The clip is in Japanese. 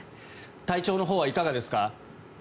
体調のほうはいかがですか？